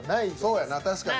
そうやな確かに。